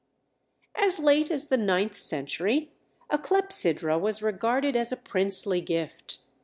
"_] As late as the ninth century, a clepsydra was regarded as a princely gift.